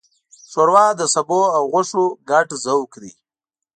ښوروا د سبو او غوښو ګډ ذوق دی.